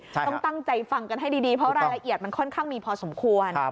ต้องตั้งใจฟังกันให้ดีเพราะรายละเอียดมันค่อนข้างมีพอสมควร